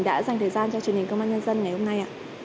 đã dành thời gian cho truyền hình công an nhân dân ngày hôm nay